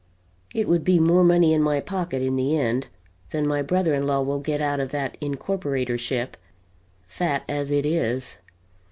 It would be more money in my pocket in the end, than my brother in law will get out of that incorporatorship, fat as it is.